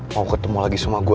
mau ketemu lagi semua gue